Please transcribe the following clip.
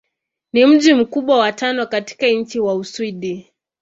Ni mji mkubwa wa tano katika nchi wa Uswidi.